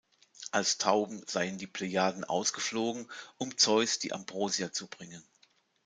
Als Tauben seien die Plejaden ausgeflogen, um Zeus die Ambrosia zu bringen.